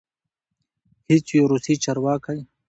هیڅ یو روسي چارواکی